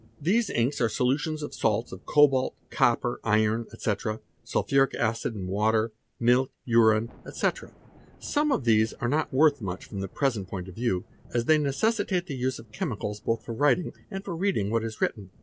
These inks are solutions of salts of cobalt, copper, iron, ete.,— sulphuric acid and water, milk, urine, ete. Some of these are not worth much from the present point of view, as they necessitate the use of chemicals both for writing and for reading what is written.